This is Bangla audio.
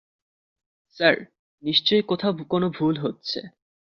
স্যার, নিশ্চয়ই কোথাও কোনো ভুল হচ্ছে।